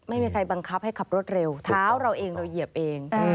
ไม่มีใครบังคับให้ขับรถเร็วเท้าเราเองเราเหยียบเอง